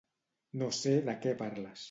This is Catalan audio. No sé de què parles.